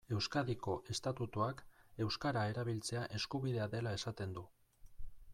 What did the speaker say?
Euskadiko estatutuak euskara erabiltzea eskubidea dela esaten du.